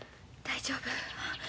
大丈夫。